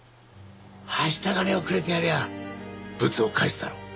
はした金をくれてやりゃブツを返すだろう。